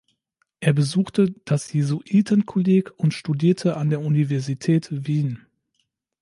Er besuchte das Jesuitenkolleg und studierte an der Universität Wien.